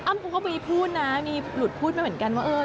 ก็มีพูดนะมีหลุดพูดมาเหมือนกันว่า